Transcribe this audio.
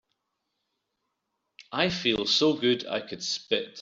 I feel so good I could spit.